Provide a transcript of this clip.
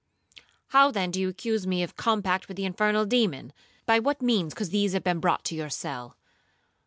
'—'How, then, do you accuse me of a compact with the infernal demon? By what means could these have been brought to your cell?'